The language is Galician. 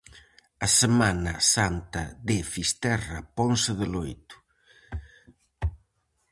A Semana Santa de Fisterra ponse de loito.